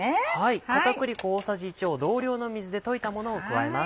片栗粉大さじ１を同量の水で溶いたものを加えます。